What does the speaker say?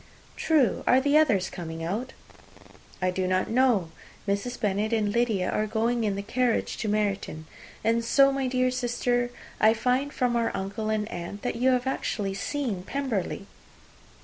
"True. Are the others coming out?" "I do not know. Mrs. Bennet and Lydia are going in the carriage to Meryton. And so, my dear sister, I find, from our uncle and aunt, that you have actually seen Pemberley."